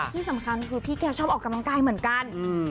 ที่สำคัญคือพี่แกชอบออกกำลังกายเหมือนกัน